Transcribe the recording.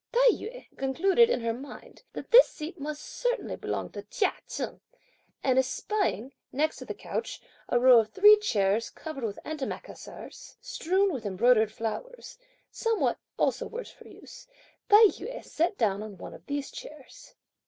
Tai yü concluded, in her mind, that this seat must certainly belong to Chia Cheng, and espying, next to the couch, a row of three chairs, covered with antimacassars, strewn with embroidered flowers, somewhat also the worse for use, Tai yü sat down on one of these chairs.